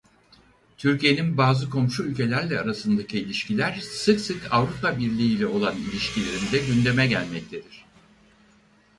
Türkiye'nin bazı komşu ülkelerle arasındaki ilişkiler sık sık Avrupa Birliği'yle olan ilişkilerinde gündeme gelmektedir.